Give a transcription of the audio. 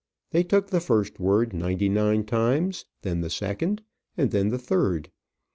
They took the first word ninety nine times; and then the second; and then the third.